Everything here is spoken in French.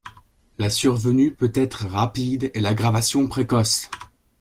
La survenue peut être rapide et l'aggravation précoce.